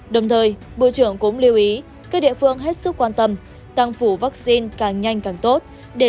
đồng thời bộ trưởng cũng lưu ý các địa phương hết sức quan tâm tăng phủ vaccine càng nhanh càng tốt